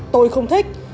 tôi không thích